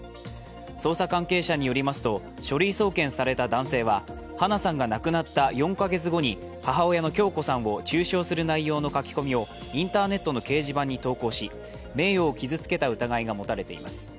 捜査関係者によりますと書類送検された男性は、花さんが亡くなった４か月後に母親の響子さんを中傷する内容の書き込みをインターネットの掲示板に投稿し名誉を傷つけた疑いが持たれています。